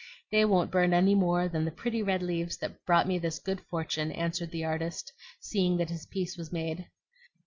They won't burn any more than the pretty red leaves that brought me this good fortune," answered the artist, seeing that his peace was made.